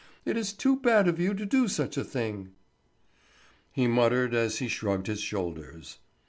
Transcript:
It is too bad of you to do such a thing." He muttered, as he shrugged his shoulders.